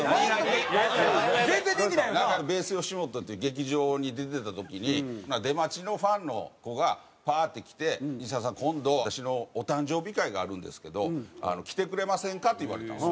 ｂａｓｅよしもとっていう劇場に出てた時に出待ちのファンの子がパーッて来て「西澤さん今度私のお誕生日会があるんですけど来てくれませんか？」って言われたんですよ。